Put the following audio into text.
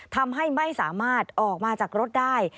ทำให้ไม่สามารถออกมาจากรถได้